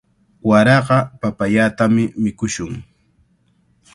Waraqa papayatami mikushun.